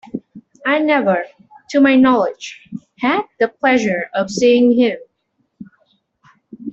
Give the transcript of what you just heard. I never, to my knowledge, had the pleasure of seeing him.